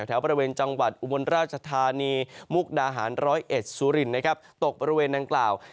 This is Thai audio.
แถวบริเวณจังหวัดอุบลราชธานีมุกดาหารร้อยเอ็ดสุรินนะครับตกบริเวณดังกล่าว